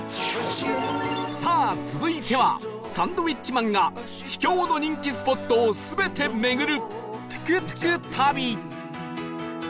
さあ続いてはサンドウィッチマンが秘境の人気スポットを全て巡るトゥクトゥク旅